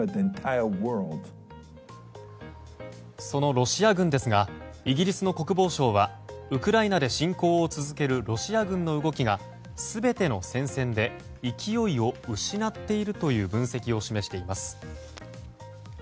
そのロシア軍ですがイギリスの国防省はウクライナで侵攻を続けるロシア軍の動きが全ての戦線で勢いを失っているという分析を示しています。